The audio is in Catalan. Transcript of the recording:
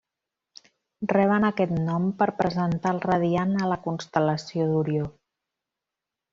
Reben aquest nom per presentar el radiant a la constel·lació d'Orió.